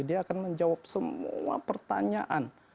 dia akan menjawab semua pertanyaan